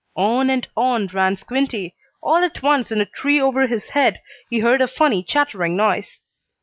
On and on ran Squinty. All at once, in a tree over his head, he heard a funny chattering noise.